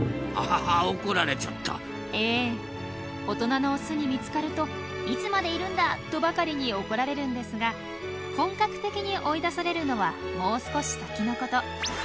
大人のオスに見つかると「いつまでいるんだ！」とばかりに怒られるんですが本格的に追い出されるのはもう少し先のこと。